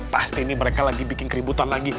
pasti ini mereka lagi bikin keributan lagi